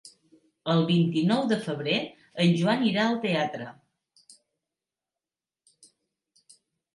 El vint-i-nou de febrer en Joan irà al teatre.